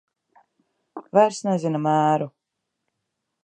Vairs nezina mēru.